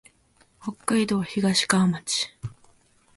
北海道東川町